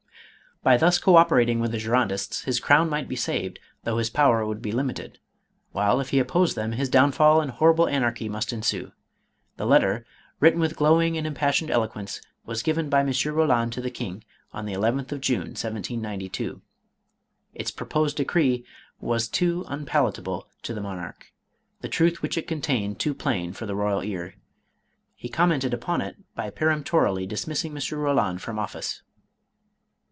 By thus co operating with the Girondists, his crown might be saved, though his power would be limited ; while, if he opposed them, his downfall and horrible anarchy must ensue. The letter, written with glowing and impassioned eloquence, was given by M. Roland to the king on the llth of June, 1792. Its proposed decree was too unpalatable to the monarch, the truth which it contained too plain for the royal ear. He commented upon it by peremptorily dismissing M. Roland from office.